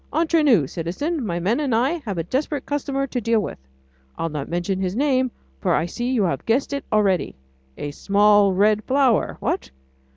Entre nous, citizen, my men and I have a desperate customer to deal with. I'll not mention his name, for I see you have guessed it already. A small red flower, what?...